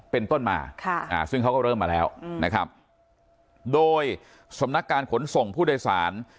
เป็นต้นมาซึ่งเขาก็เริ่มมาแล้วนะครับโดยสำนักการขนส่งผู้โดยสาร